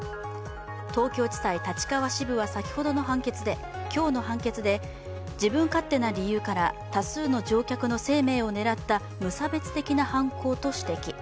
東京地裁立川支部は今日の判決で自分勝手な理由から多数の乗客の生命を狙った無差別的な犯行と指摘。